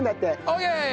オーケー！